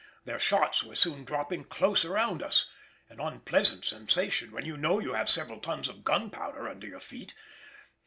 Their shots were soon dropping close around us: an unpleasant sensation when you know you have several tons of gunpowder under your feet.